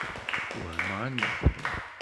Wehmeɣ anda tṛuḥ.